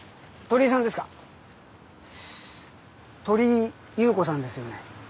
鳥居優子さんですよね。